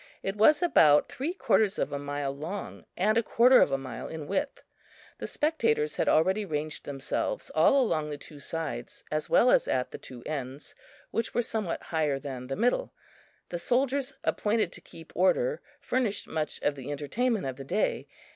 It was about three quarters of a mile long and a quarter of a mile in width. The spectators had already ranged themselves all along the two sides, as well as at the two ends, which were somewhat higher than the middle. The soldiers appointed to keep order furnished much of the entertainment of the day.